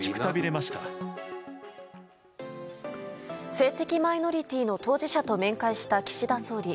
性的マイノリティーの当事者と面会した岸田総理。